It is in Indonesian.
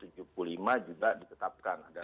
juga ditetapkan ada